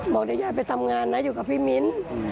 บอกเดี๋ยวยายไปทำงานนะอยู่กับพี่มิ้น